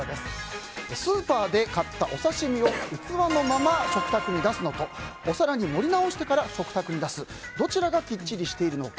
スーパーで買ったお刺し身を器のまま食卓に出すのと器に盛り直してから食卓に出すどちらがきっちりしているのか。